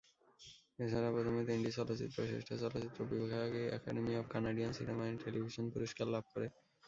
এছাড়া প্রথম তিনটি চলচ্চিত্র শ্রেষ্ঠ চলচ্চিত্র বিভাগে Academy of Canadian Cinema and Television পুরস্কার লাভ করে।